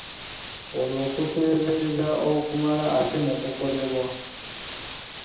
Olwo, okuteebeeza okulala ate ne kukolebwa.